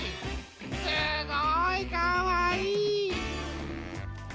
すごいかわいい！